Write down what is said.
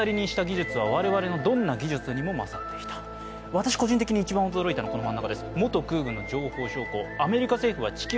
私、個人的に一番驚いたのは真ん中です。